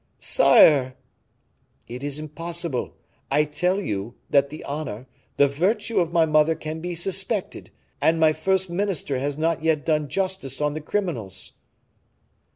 "Sire!" "It is impossible, I tell you, that the honor, the virtue of my mother can be suspected, and my first minister has not yet done justice on the criminals!"